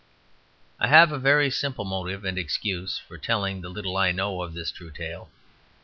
I have a very simple motive and excuse for telling the little I know of this true tale.